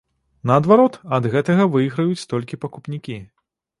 Наадварот, ад гэтага выйграюць толькі пакупнікі.